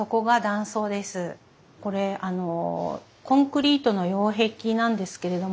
これコンクリートの擁壁なんですけれども。